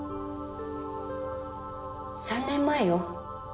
３年前よ。